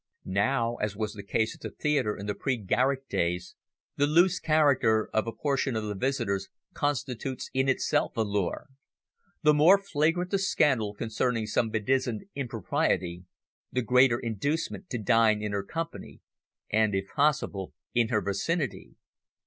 Now, as was the case at the theatre in the pre Garrick days, the loose character of a portion of the visitors constitutes in itself a lure. The more flagrant the scandal concerning some bedizened "impropriety" the greater the inducement to dine in her company, and, if possible, in her vicinity.